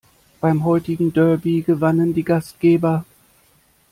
Beim heutigen Derby gewannen die Gastgeber.